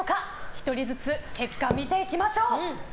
１人ずつ結果を見ていきましょう。